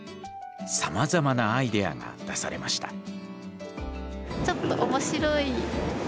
さまざまなアイデアが出されました。